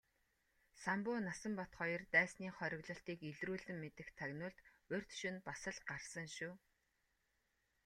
Самбуу Насанбат хоёр дайсны хориглолтыг илрүүлэн мэдэх тагнуулд урьд шөнө бас л гарсан шүү.